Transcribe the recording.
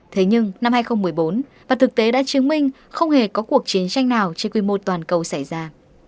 thế nhưng năm hai nghìn một mươi bốn và thực tế đã chứng minh không hề có cuộc chiến tranh nào trên quy mô toàn cầu xảy ra